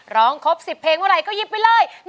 ร้องครบ๑๐เพลงเมื่อไหร่ก็หยิบไปเลย